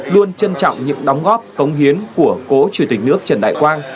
luôn trân trọng những đóng góp cống hiến của cố chủ tịch nước trần đại quang